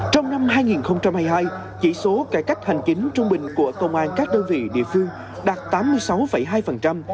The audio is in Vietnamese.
trong năm hai nghìn hai mươi hai chỉ số cải cách hành chính trung bình của công an các đơn vị địa phương đạt tám mươi sáu hai